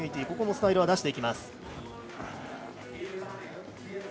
ここもスタイルは出していきます。